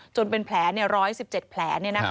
เป็นแผล๑๑๗แผล